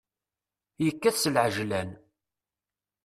Yekkat s leɛjlan.